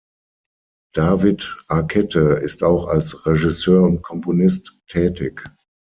David Arquette ist auch als Regisseur und Komponist tätig.